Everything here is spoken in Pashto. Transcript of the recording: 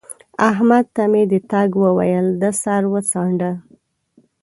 احمد ته مې د تګ وويل؛ ده سر وڅانډه